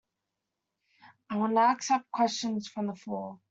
I will now accept questions from the floor.